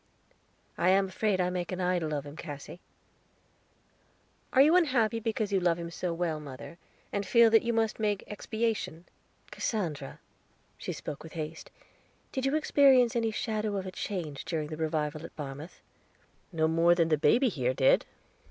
"I am afraid I make an idol of him, Cassy." "Are you unhappy because you love him so well, mother, and feel that you must make expiation?" "Cassandra," she spoke with haste, "did you experience any shadow of a change during the revival at Barmouth?" "No more than the baby here did."